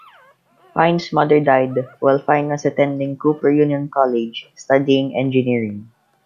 Fine's mother died while Fine was attending Cooper Union college, studying engineering.